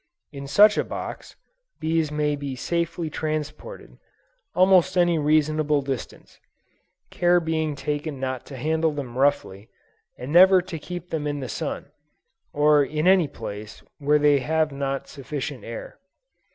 In such a box, bees may be safely transported, almost any reasonable distance: care being taken not to handle them roughly, and never to keep them in the sun, or in any place where they have not sufficient air.